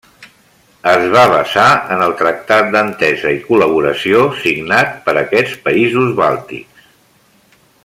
Es va basar en el Tractat d'Entesa i Col·laboració signat per aquests països bàltics.